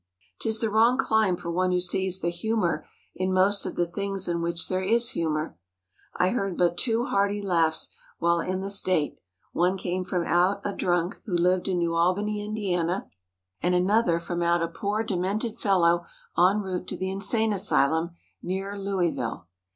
'Tis the wrong clime for one who sees the humor in most of the things in which there is humor. I heard but two hearty laughs while in the state: one came from out a drunk who lived in New Albany, Indiana, and an other from out a poor demented fellow en route to the insane asylum, near Louisville.